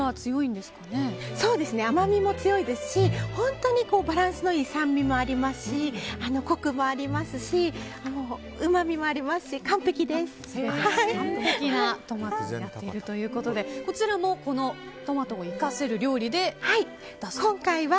甘みも強いですし本当にバランスのいい酸味もありますしコクもありますしうまみもありますし完璧なトマトになっているということでこちらのトマトを生かせる料理は？